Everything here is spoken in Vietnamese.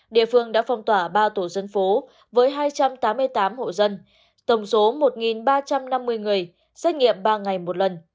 địa phương đã phong tỏa ba tổ dân phố với hai trăm tám mươi tám hộ dân tổng số một ba trăm năm mươi người xét nghiệm ba ngày một lần